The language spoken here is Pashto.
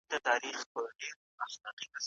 که هغه راشي، موږ به یو ځای چای وڅښو.